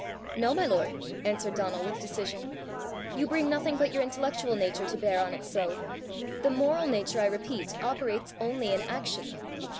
"No, my lord," answered Donal, with decision; "you bring nothing but your intellectual nature to bear on it so; the moral nature, I repeat, operates only in action.